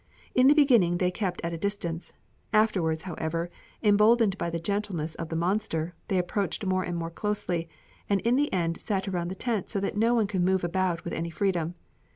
In the beginning they kept at a distance; afterwards, however, emboldened by the gentleness of the "monster," they approached more and more closely, and in the end sat around the tent so that no one could move about with any freedom.